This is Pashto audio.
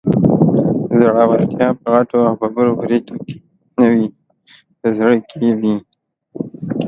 زړورتيا په غټو او ببرو برېتو کې نه وي، په زړه کې وي